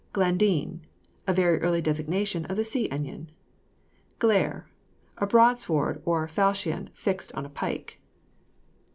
GLADENE. A very early designation of the sea onion. GLAIRE. A broadsword or falchion fixed on a pike.